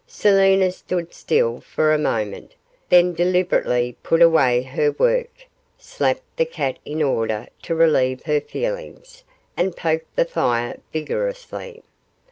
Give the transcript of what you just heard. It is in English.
Selina stood still for a moment, then deliberately put away her work, slapped the cat in order to relieve her feelings, and poked the fire vigorously.